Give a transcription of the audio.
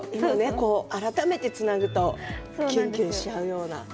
改めてつなぐとキュンキュンしちゃうような。